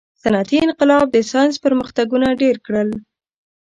• صنعتي انقلاب د ساینس پرمختګونه ډېر کړل.